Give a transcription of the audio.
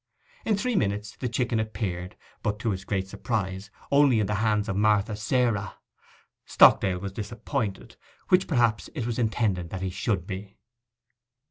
In three minutes the chicken appeared, but, to his great surprise, only in the hands of Martha Sarah. Stockdale was disappointed, which perhaps it was intended that he should be.